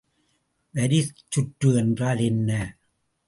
வரிச்சுற்று என்றால் என்ன?